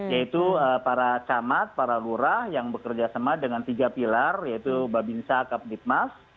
yaitu para camat para lurah yang bekerja sama dengan tiga pilar yaitu babinsa kapdipmas